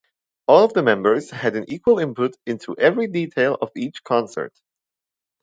All of the members had an equal input into every detail of each concert.